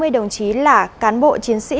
một trăm hai mươi đồng chí là cán bộ chiến sĩ